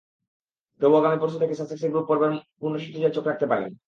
তবু আগামী পরশু থেকে সাসেক্সের গ্রুপ পর্বের পূর্ণ সূচিতে চোখ রাখতে পারেন।